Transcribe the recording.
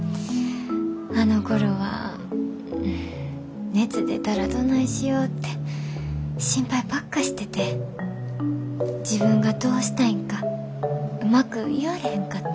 あのころは熱出たらどないしよって心配ばっかしてて自分がどうしたいんかうまく言われへんかって。